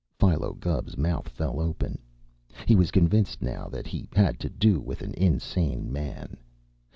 Philo Gubb's mouth fell open. He was convinced now that he had to do with an insane man.